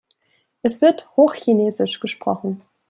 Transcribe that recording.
Es wird Hochchinesisch gesprochen.